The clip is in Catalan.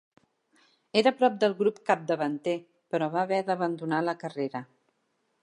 Era prop del grup capdavanter, però va haver d'abandonar la carrera.